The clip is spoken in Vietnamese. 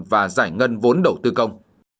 và giải ngân vốn đầu tư công